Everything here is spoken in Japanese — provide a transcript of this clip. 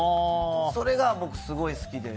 それが僕すごい好きで。